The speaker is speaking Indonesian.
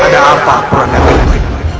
ada apa kuranda geng